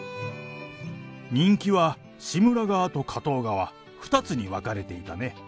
人気は志村側と加藤側、２つに分かれていたね。